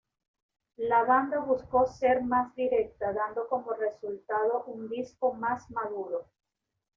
La banda buscó ser más directa, dando como resultado un disco más maduro.